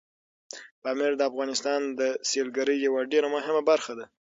پامیر د افغانستان د سیلګرۍ یوه ډېره مهمه برخه ده.